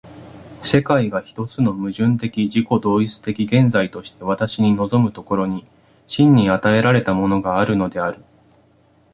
世界が一つの矛盾的自己同一的現在として私に臨む所に、真に与えられたものがあるのである。